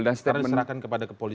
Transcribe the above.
karena diserahkan kepada kepolisian